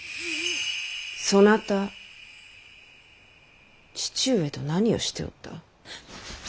そなた父上と何をしておった。